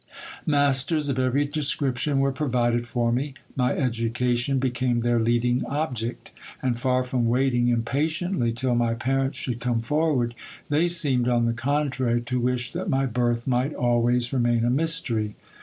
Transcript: Masters of every description were pro 158 GIL BLAS. vided for me. My education became their leading object ; and far from waiting impatiently till my parents should come forward, they seemed, on the contrary, to wish that my birth might always remain a mystery.